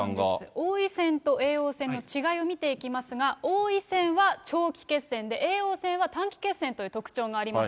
王位戦と叡王戦の違いを見ていきますが、王位戦は長期決戦で叡王戦は短期決戦という特徴があります。